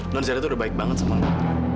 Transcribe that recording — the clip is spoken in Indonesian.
nonzada tuh udah baik banget sama gue